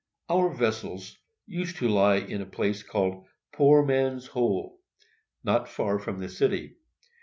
Our vessels used to lie in a place called Poor Man's Hole, not far from the city.